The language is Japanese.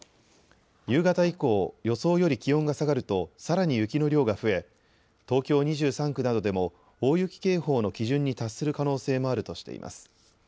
夕方以降、予想より気温が下がると、さらに雪の量が増え東京２３区などでも大雪警報の基準に達する可能性もあるとしています。